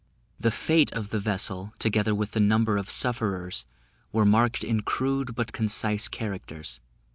The fate of the vessel, together with the number of sufferers, were marked in rude but concise characters.